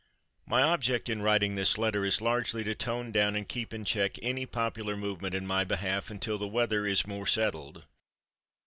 My object in writing this letter is largely to tone down and keep in check any popular movement in my behalf until the weather in more settled.